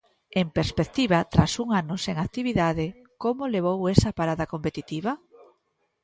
En perspectiva, tras un ano sen actividade, como levou esa parada competitiva?